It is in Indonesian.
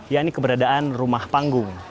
yaitu keberadaan rumah panggung